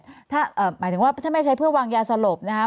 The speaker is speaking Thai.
หมายถึงว่าถ้าไม่ใช้เพื่อวางยาสลบนะครับ